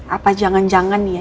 apa jangan jangan ya